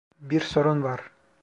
Bir sorun var.